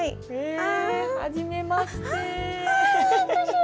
はじめまして。